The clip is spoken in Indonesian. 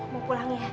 mau pulang ya